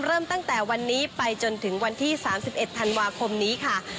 เริ่มตั้งแต่วันนี้ไปจนถึงวันที่๓๑ธันวาคมนี้ค่ะ